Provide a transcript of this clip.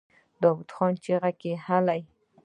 داوود خان چيغه کړه! هلئ!